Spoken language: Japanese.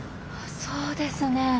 そうですね。